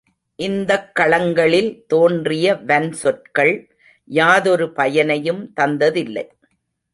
இந்தக் களங்களில் தோன்றிய வன்சொற்கள் யாதொரு பயனையும் தந்ததில்லை.